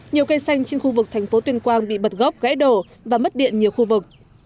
nhiều cây xanh trên khu vực thành phố tuyên quang bị bật gốc gãy đổ và mất điện nhiều khu vực